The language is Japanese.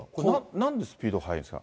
なんでスピード速いんですか？